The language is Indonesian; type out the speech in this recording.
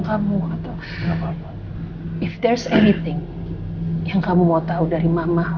kalau ada apa apa yang kamu mau tahu dari mama